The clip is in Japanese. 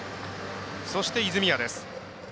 そして、泉谷です。